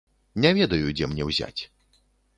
Не ведаю, дзе мне ўзяць.